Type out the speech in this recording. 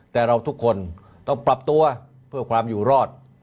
แต่เราทุกคนต้องปรับตัวเพื่อความอยู่รอด